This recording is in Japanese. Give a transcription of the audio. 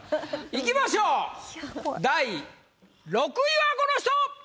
いきましょう第６位はこの人！